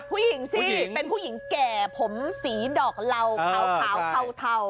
ผู้หญิงสิเป็นผู้หญิงแก่ผมสีดอกเหล่าขาวเทา